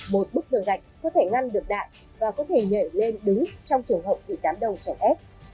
một bức tường gạch có thể ngăn được đạn và có thể nhảy lên đứng trong trường hợp bị cám đầu chảy ép